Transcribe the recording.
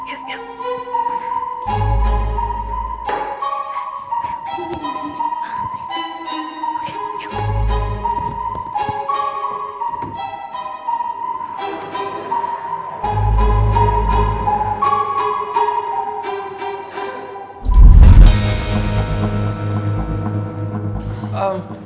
ok yuk yuk yuk